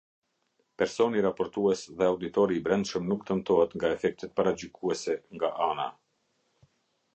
Personi raportues dhe auditori i brendshëm nuk dëmtohet nga efektet paragjykuese nga ana.